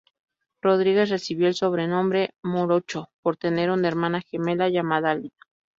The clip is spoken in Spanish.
Rodríguez recibió el sobrenombre "morocho", por tener una hermana gemela llamada Alida.